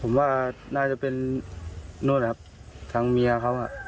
ผมว่าน่าจะเป็นนู่นนะครับ